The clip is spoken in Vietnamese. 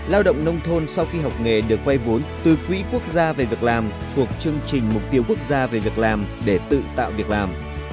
lao động nông thôn sau khi học nghề được vay vốn từ quỹ quốc gia về việc làm thuộc chương trình mục tiêu quốc gia về việc làm để tự tạo việc làm